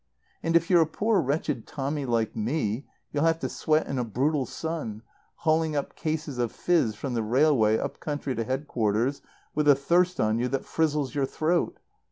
"And if you're a poor wretched Tommy like me, you'll have to sweat in a brutal sun, hauling up cases of fizz from the railway up country to Headquarters, with a thirst on you that frizzles your throat.